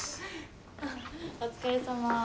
あっお疲れさま。